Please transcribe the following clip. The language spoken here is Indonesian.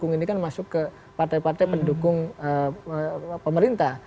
pendukung ini kan masuk ke partai partai pendukung pemerintah